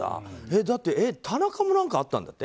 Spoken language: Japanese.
だって田中も何かあったんだって？